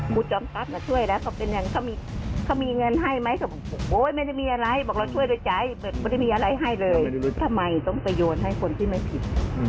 มุจจำครับเราช่วยแล้วเขามีเงินให้ไหมไม่ได้มีอะไรบอกเราช่วยด้วยใจไม่ได้มีอะไรให้เลยทำไมต้องประโยชน์ให้คนที่ไม่ผิด